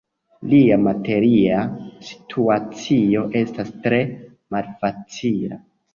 Lia materia situacio estas tre malfacila.